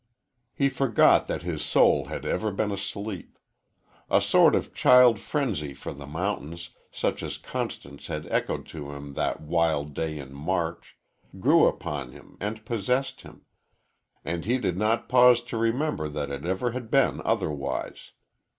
He forgot that his soul had ever been asleep. A sort of child frenzy for the mountains, such as Constance had echoed to him that wild day in March, grew upon him and possessed him, and he did not pause to remember that it ever had been otherwise.